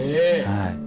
はい。